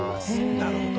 なるほど。